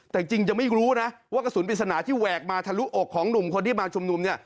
แต่จริงยังไม่รู้นะว่ากระสุนปริศนาที่แหวกมาทะลุอกของหนุ่มคนที่มาชุมนุมเนี่ย